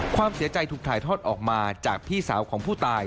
ความเสียใจถูกถ่ายทอดออกมาจากพี่สาวของผู้ตาย